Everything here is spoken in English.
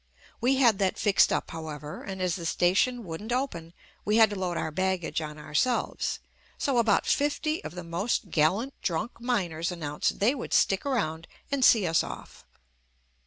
We had that fixed up, however, and as the station wouldn't open, we had to load our baggage on ourselves, so about fifty of the most gallant drunk miners announced they would stick around and see us off.